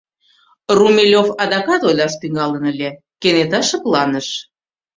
Румелёв адакат ойлаш тӱҥалын ыле, кенета шыпланыш.